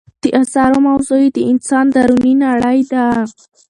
د اثارو موضوع یې د انسان دروني نړۍ ده.